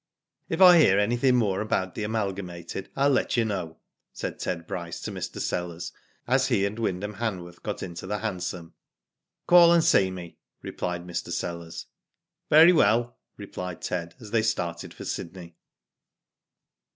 "If I hear anything more about the Amalga mated, I'll let you know," said Ted Bryce to Mr. Sellers, as he and Wyndham Hanworth got into the hansom. " Call and see me," replied Mr. Sellers. "Very well," replied Ted,, as they started for Sydney.